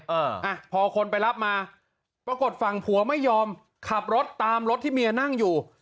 เอออ่ะพอคนไปรับมาปรากฏฝั่งผัวไม่ยอมขับรถตามรถที่เมียนั่งอยู่